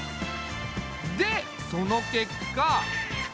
でその結果。